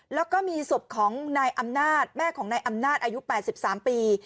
แล้วก็มีศพของนายอำนาจแม่ของนายอำนาจอายุ๘๓ปี